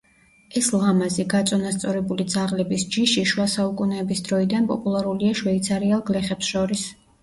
ეს ლამაზი, გაწონასწორებული ძაღლების ჯიში შუა საუკუნეების დროიდან პოპულარულია შვეიცარიელ გლეხებს შორის.